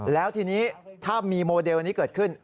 แล้วทีนี้ถ้ามีโมเดลนี้เกิดขึ้น